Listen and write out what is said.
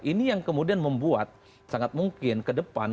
ini yang kemudian membuat sangat mungkin ke depan